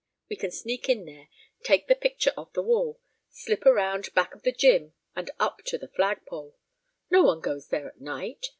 We can sneak in there, take the picture off the wall, slip around back of the gym and up to the flagpole. No one goes there at night.